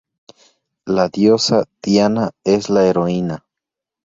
La diosa Diana es la heroína.